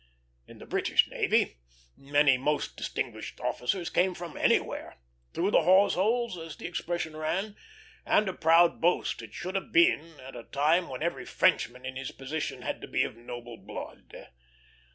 In the British navy many most distinguished officers came from anywhere through the hawse holes, as the expression ran; and a proud boast it should have been at a time when every Frenchman in his position had to be of noble blood.